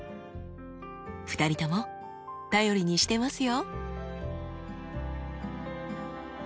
２人とも頼りにしてますよ。